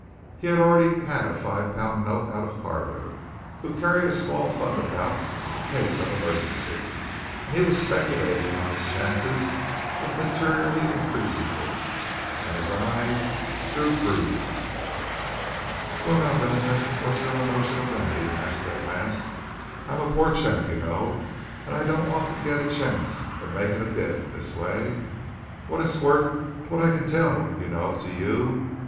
He had already had a five pound note out of Carver, who carried a small fund about him in case of emergency; he was speculating on his chances of materially increasing this, and his eyes grew greedy. "Well, now, guv'nor, what's your own notion of that?" he asked at last. "I'm a poor chap, you know, and I don't often get a chance o' making a bit in this way. What's it worth what I can tell, you know to you?